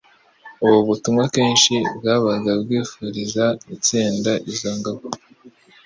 Ubu butumwa kenshi bwabaga bwifuriza intsinzi izo ngabo,